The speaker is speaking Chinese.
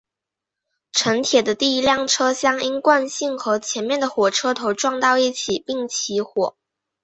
城铁的第一辆车厢因惯性和前面的火车头撞到一起并起火。